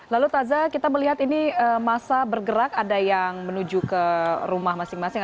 lalu taza kita melihat ini masa bergerak ada yang menuju ke rumah masing masing